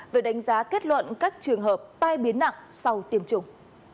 về đánh giá kết luận các trường hợp tai biến nặng sau tiêm chủng